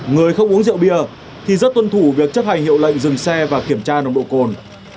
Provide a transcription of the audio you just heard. người không uống rượu bia thì rất tuân thủ việc chấp hành hiệu lệnh dừng xe và kiểm tra nồng độ cồn